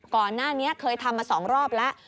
ก่อนหน้านี้เคยทำมา๒รอบแล้ว